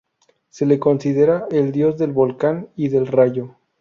Se le considera el dios del volcán y del rayo.